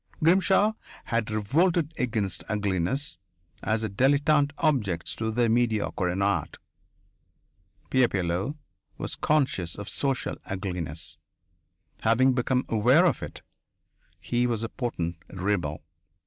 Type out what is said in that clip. Grimshaw had revolted against ugliness as a dilettante objects to the mediocre in art. Pierre Pilleux was conscious of social ugliness. Having become aware of it, he was a potent rebel.